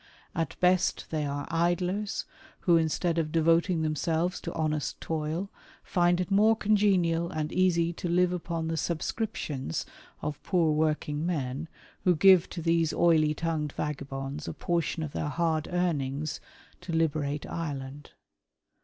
At best they are idlers who, instead of devoting themselves to honest toil, find it more congenial and easy to live upon the ''subscriptions" of poor working men, who give to these oily tongued vagabonds a portion of their hard earnings " to liberate Ireland."